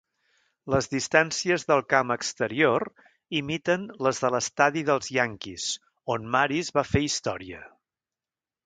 Les distàncies del camp exterior imiten les de l'estadi dels Yankees, on Maris va fer història.